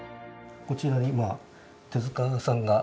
こちらに手さん？